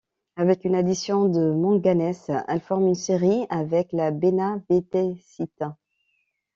Avec une addition de manganèse, elle forme une série avec la bénavidésite.